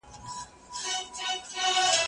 هغه څوک چي چپنه پاکوي منظم وي!.